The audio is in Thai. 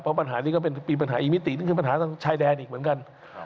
เพราะปัญหานี้ก็เป็นปีปัญหาอีกมิตินี่คือปัญหาทางชายแดนอีกเหมือนกัน